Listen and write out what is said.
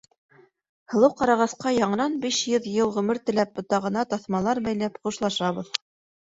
Һылыу ҡарағасҡа яңынан биш йөҙ йыл ғүмер теләп, ботағына таҫмалар бәйләп, хушлашабыҙ.